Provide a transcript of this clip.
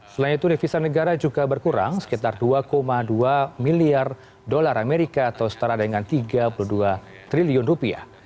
selain itu devisa negara juga berkurang sekitar dua dua miliar dolar amerika atau setara dengan tiga puluh dua triliun rupiah